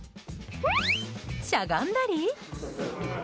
しゃがんだり。